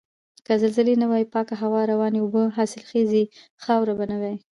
که زلزلې نه وای پاکه هوا، روانې اوبه، حاصلخیزه خاوره به نه وای.